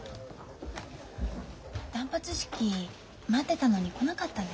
断髪式待ってたのに来なかったんですね。